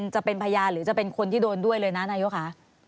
จะเป็นพยานหรือจะเป็นคนที่โดนด้วยเลยนะนายกค่ะ